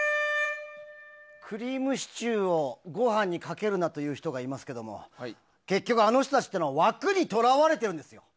クリームシチューをご飯にかけるなという人がいますけども結局あの人たちっていうのは枠に捉われているんですよ。